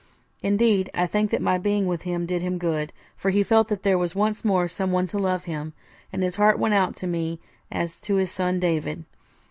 Indeed, I think that my being with him did him good; for he felt that there was once more someone to love him, and his heart went out to me as to his son David.